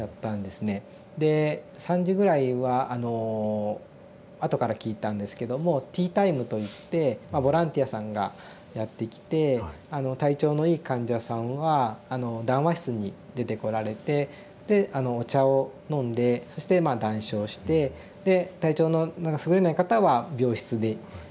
で３時ぐらいはあのあとから聞いたんですけどもティータイムといってボランティアさんがやって来て体調のいい患者さんは談話室に出てこられてでお茶を飲んでそしてまあ談笑してで体調のすぐれない方は病室にあのお茶を運ばれたりとかですね。